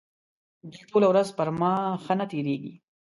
بیا ټوله ورځ پر ما ښه نه تېرېږي.